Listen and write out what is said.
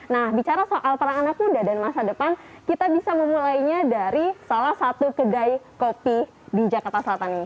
nah bicara soal peran anak muda dan masa depan kita bisa memulainya dari salah satu kedai kopi di jakarta selatan ini